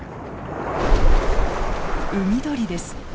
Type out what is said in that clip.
海鳥です。